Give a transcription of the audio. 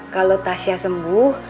kalo tasya sembuh